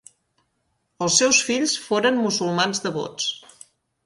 Els seus fills foren musulmans devots.